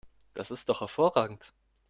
Das ist doch hervorragend!